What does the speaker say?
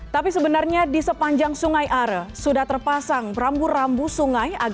tapi sebenarnya di sepanjang sungai are sudah terpasang rambu rambu sungai